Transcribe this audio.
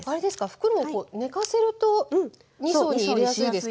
袋をこう寝かせると２層に入れやすいですか？